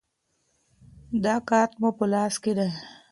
دا کارت مو په لاس کې دی.